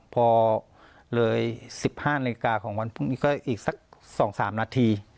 พอเลย๑๕นาฬิกาของวันพรุ่งนี้ก็อีกสัก๒๓นาที